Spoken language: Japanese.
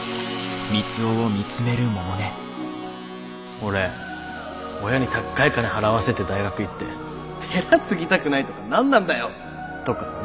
俺親にたっかい金払わせて大学行って寺継ぎたくないとか何なんだよとかね。